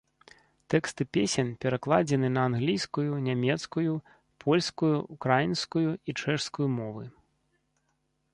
Тэксты песень перакладзены на англійскую, нямецкую, польскую, украінскую і чэшскую мовы.